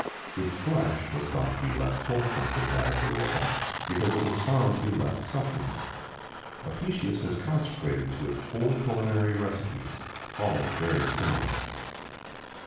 Its flesh was thought to be less wholesome than that of the roebuck, because it was found to be less succulent.[XIX 63] Apicius has consecrated to it four culinary recipes, all very similar.